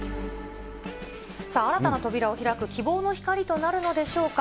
さあ、新たな扉を開く希望の光となるのでしょうか。